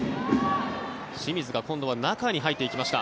清水が今度は中に入っていきました。